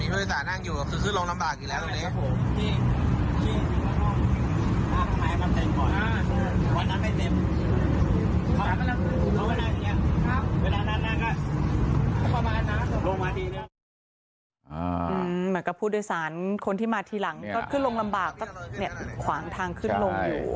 เหมือนกับผู้โดยสารคนที่มาทีหลังก็ขึ้นลงลำบากก็เนี่ยขวางทางขึ้นลงอยู่